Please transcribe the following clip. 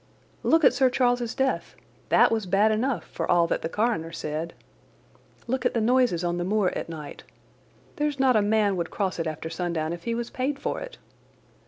"Look at Sir Charles's death! That was bad enough, for all that the coroner said. Look at the noises on the moor at night. There's not a man would cross it after sundown if he was paid for it.